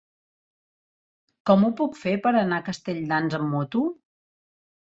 Com ho puc fer per anar a Castelldans amb moto?